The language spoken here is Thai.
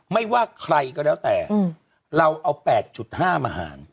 ไม่ว่าใครก็แล้วแต่เราเอา๘๕มาหาร